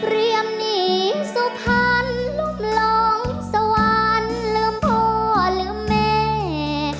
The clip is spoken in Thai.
เรียมหนีสุภัณฑ์ลุบลองสวรรค์ลืมพ่อลืมแม่